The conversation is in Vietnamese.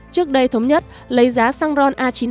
trước đây thống nhất lấy giá săng ron a chín mươi năm